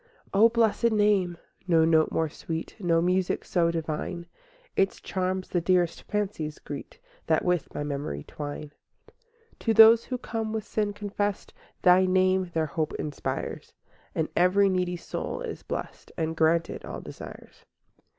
II O blessed name! No note more sweet, No music so divine; Its charms the dearest fancies greet That with my memory twine. III To those who come with sin confessed, Thy name their hope inspires; And every needy soul is blessed, And granted all desires.